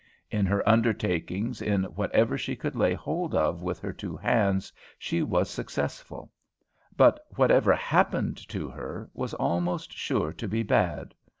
In her undertakings, in whatever she could lay hold of with her two hands, she was successful; but whatever happened to her was almost sure to be bad.